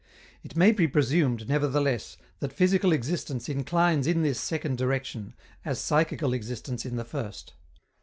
It may be presumed, nevertheless, that physical existence inclines in this second direction, as psychical existence in the first.